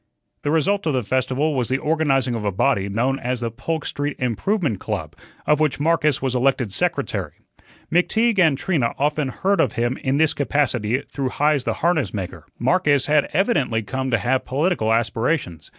The result of the festival was the organizing of a body known as the "Polk Street Improvement Club," of which Marcus was elected secretary. McTeague and Trina often heard of him in this capacity through Heise the harness maker. Marcus had evidently come to have political aspirations.